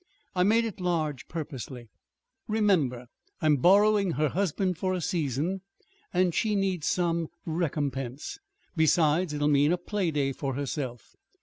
"I made it large purposely. Remember, I'm borrowing her husband for a season; and she needs some recompense! Besides, it'll mean a playday for herself.